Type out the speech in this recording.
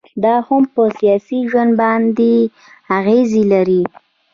دا هم پر سياسي ژوند باندي اغيزي لري